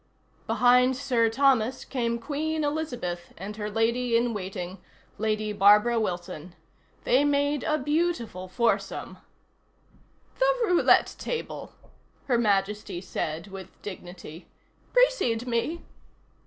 Behind Sir Thomas came Queen Elizabeth and her Lady in Waiting, Lady Barbara Wilson. They made a beautiful foursome. "The roulette table," Her Majesty said with dignity. "Precede me."